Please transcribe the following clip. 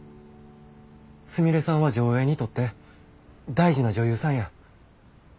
すみれさんは条映にとって大事な女優さんや。